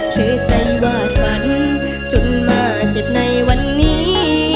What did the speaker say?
คือใจวาดฝันจนมาเจ็บในวันนี้